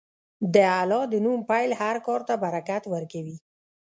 د الله د نوم پیل هر کار ته برکت ورکوي.